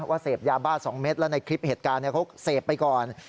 เสพยาบ้า๒เม็ดแล้วในคลิปเหตุการณ์เขาเสพไปก่อน